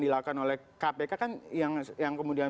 dilakukan oleh kpk kan yang kemudian